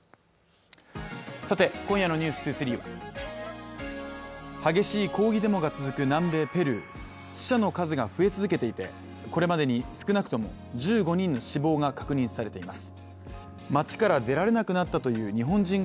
さて今夜の「ｎｅｗｓ２３」は激しい抗議デモが続く南米ペルー死者の数が増え続けていてこれまでに少なくとも１５人の死亡が確認されています